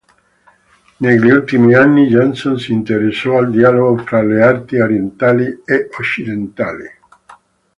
Negli ultimi anni Janson si interessò al dialogo fra le arti orientali e occidentali.